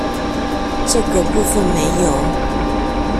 這個部分沒有？